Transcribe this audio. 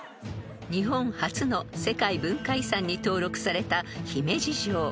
［日本初の世界文化遺産に登録された姫路城］